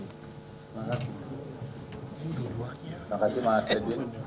terima kasih mas edwin